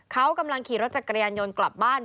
เขากำลังขี่รถจักรยานยนต์กลับบ้าน